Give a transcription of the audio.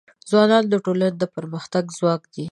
ځوانان د ټولنې د پرمختګ ځواک دی.